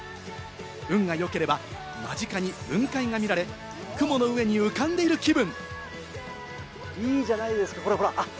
運がよければ、間近に雲海が見られ、雲の上に浮かんでいる気分。